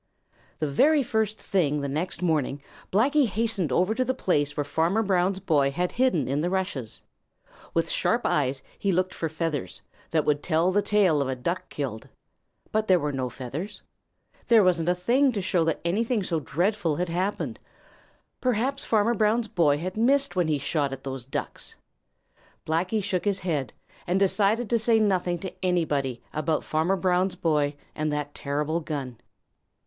The very first thing the next morning Blacky had hastened over to the place where Farmer Brown's boy had hidden in the rushes. With sharp eyes he looked for feathers, that would tell the tale of a Duck killed. But there were no feathers. There wasn't a thing to show that anything so dreadful had happened. Perhaps Farmer Brown's boy had missed when he shot at those Ducks. Blacky shook his head and decided to say nothing to anybody about Farmer Brown's boy and that terrible gun.